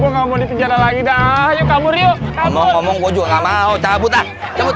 enggak mau nanya